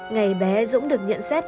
ngày bé dũng được nhận xét